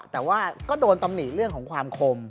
แต่ว่าก็โดนตำหนิเรื่องของความคม